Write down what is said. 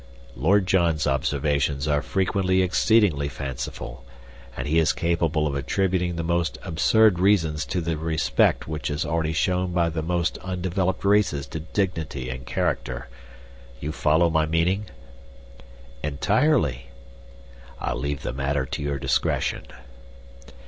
"Lord John's observations are frequently exceedingly fanciful, and he is capable of attributing the most absurd reasons to the respect which is always shown by the most undeveloped races to dignity and character. You follow my meaning?" "Entirely." "I leave the matter to your discretion."